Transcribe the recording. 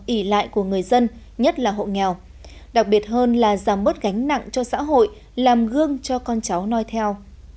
ỉ lại của người dân nhất là hộ nghèo đặc biệt hơn là giảm bớt gánh nặng cho xã hội làm gương cho con cháu noi theo